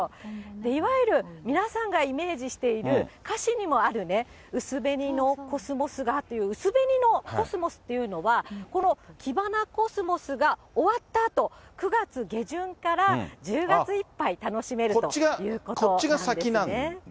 いわゆる皆さんがイメージしている、歌詞にもあるね、薄紅のコスモスがって、薄紅のコスモスというのは、このキバナコスモスが終わったあと、９月下旬から１０月いっぱい楽しめるということなんですね。